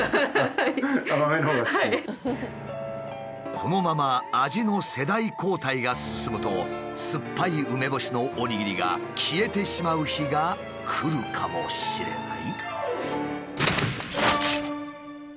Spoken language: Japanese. このまま味の世代交代が進むとすっぱい梅干しのおにぎりが消えてしまう日が来るかもしれない？